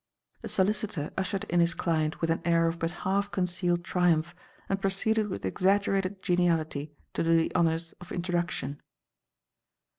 The solicitor ushered in his client with an air of but half concealed triumph and proceeded with exaggerated geniality to do the honours of introduction.